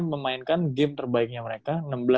memainkan game terbaiknya mereka